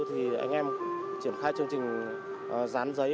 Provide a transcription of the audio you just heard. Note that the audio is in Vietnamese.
thì anh em triển khai chương trình dán giấy